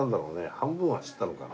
半分は知ったのかな？